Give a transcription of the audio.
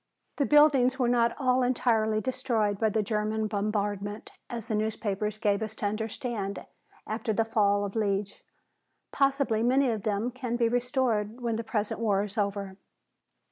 The buildings were not all entirely destroyed by the German bombardment, as the newspapers gave us to understand after the fall of Liege. Possibly many of them can be restored when the present war is over.